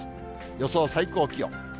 予想最高気温。